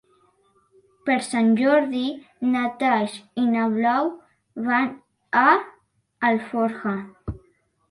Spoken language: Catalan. Per Sant Jordi na Thaís i na Blau van a Alforja.